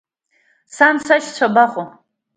Сан, сашьцәа абаҟоу?